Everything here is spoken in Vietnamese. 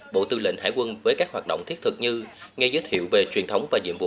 bộ tư lệnh hải quân với các hoạt động thiết thực như nghe giới thiệu về truyền thống và nhiệm vụ